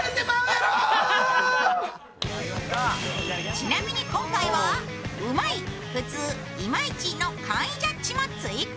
ちなみに今回はうまい、普通イマイチの簡易ジャッジも追加。